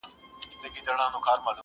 لمر هم کمزوری ښکاري دلته تل